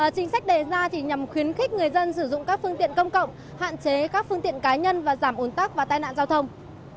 chính sách đề ra nhằm khuyến khích người dân sử dụng các phương tiện công cộng hạn chế các phương tiện cá nhân và giảm ồn tắc và tai nạn giao thông